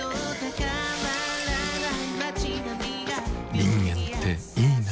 人間っていいナ。